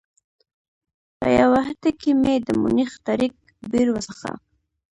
په یوه هټۍ کې مې د مونیخ تاریک بیر وڅښه.